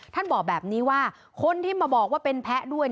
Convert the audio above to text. ท่านบอกแบบนี้ว่าคนที่มาบอกว่าเป็นแพ้ด้วย